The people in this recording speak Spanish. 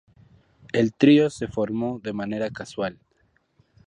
El trío se formó de manera casual.